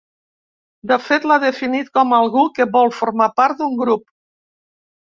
De fet, l’ha definit com algú que vol formar part d’un grup.